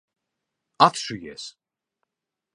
Atšujies!